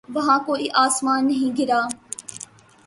وہاں کوئی آسمان نہیں گرا۔